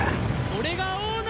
これが王の。